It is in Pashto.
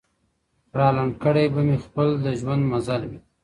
را لنډ کړی به مي خپل د ژوند مزل وي